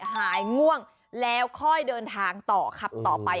หายง่วงแล้วค่อยเดินทางต่อขับต่อไป